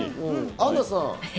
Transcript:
アンナさんは？